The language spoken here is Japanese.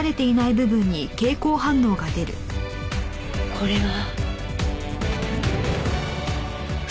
これは。